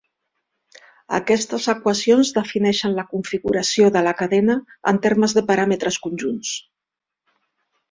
Aquestes equacions defineixen la configuració de la cadena en termes de paràmetres conjunts.